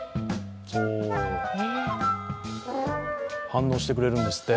反応してくれるんですって。